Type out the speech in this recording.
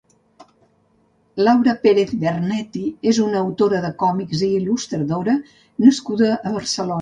Laura Pérez Vernetti és una autora de còmics i Il·lustradora nascuda a Barcelona.